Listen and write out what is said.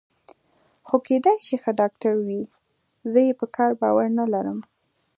خو کېدای شي ښه ډاکټر وي، زه یې پر کار باور نه لرم.